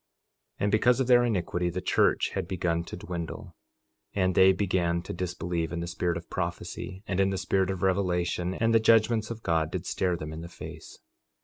4:23 And because of their iniquity the church had begun to dwindle; and they began to disbelieve in the spirit of prophecy and in the spirit of revelation; and the judgments of God did stare them in the face.